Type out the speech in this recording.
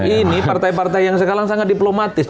ini partai partai yang sekarang sangat diplomatis